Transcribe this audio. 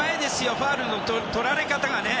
ファウルのとられ方がね。